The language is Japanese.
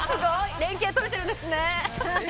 連携取れてるんですね。